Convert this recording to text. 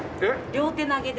両手投げで。